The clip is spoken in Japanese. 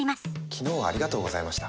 昨日はありがとうございました。